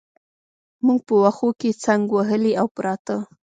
موږ په وښو کې څنګ وهلي او پراته.